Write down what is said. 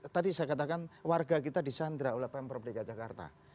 tadi saya katakan warga kita disandra oleh pemprov dki jakarta